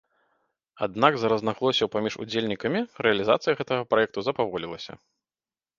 Аднак з-за рознагалоссяў паміж удзельнікамі рэалізацыя гэтага праекту запаволілася.